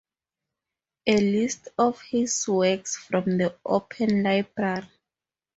A list of his works from the Open Library.